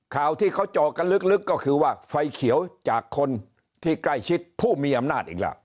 ข่าวที่เขาเจาะกันลึกก็คือว่าไฟเขียวจากคนที่ใกล้ชิดผู้มีอำนาจอีกแล้ว